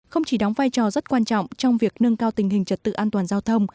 không chỉ đóng vai trò rất quan trọng trong việc nâng cao tình hình trật tự an toàn giao thông